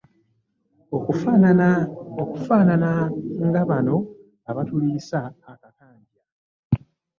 Ofaanana nga bano abatuliisa akakanja.